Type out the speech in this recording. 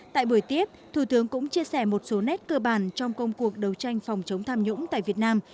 tại buổi tiếp thủ tướng cũng chia sẻ một số nét cơ bản trong công cuộc đấu tranh phòng chống tham nhũng tại việt nam